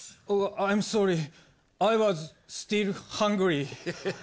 アイムソーリーアイワズスティルハングリー。